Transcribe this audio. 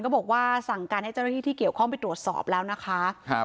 บอกว่าสั่งการให้เจ้าหน้าที่ที่เกี่ยวข้องไปตรวจสอบแล้วนะคะครับ